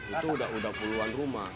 itu udah puluhan rumah